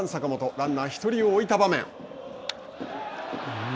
ランナー１人を置いた場面。